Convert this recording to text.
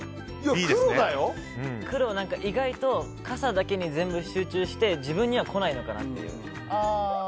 黒、意外と傘だけに全部集中して自分には来ないのかなって。